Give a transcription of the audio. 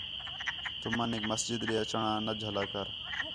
تُمنیک مسجد ݙے اچݨ آ نہ جھلا کر